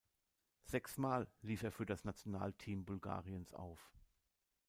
Sechs mal lief er für das Nationalteam Bulgariens auf.